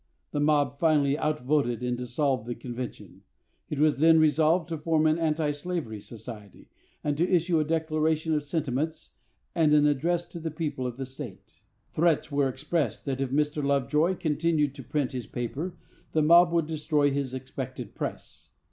The mob finally out voted and dissolved the convention. It was then resolved to form an anti slavery society, and to issue a declaration of sentiments, and an address to the people of the state. Threats were expressed that, if Mr. Lovejoy continued to print his paper, the mob would destroy his expected press.